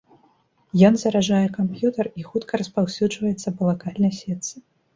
Ён заражае камп'ютар і хутка распаўсюджваецца па лакальнай сетцы.